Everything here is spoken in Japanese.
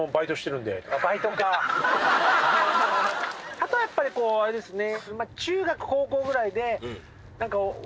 あとはやっぱりこうあれですね